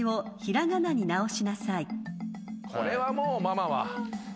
これはもうママは。